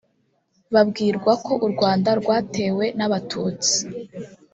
Babwirwa ko u Rwanda rwatewe n’Abatutsi